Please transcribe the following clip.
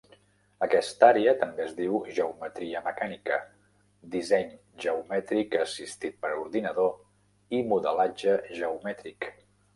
Aquesta àrea també es diu "geometria mecànica", disseny geomètric assistit per ordinador i modelatge geomètric.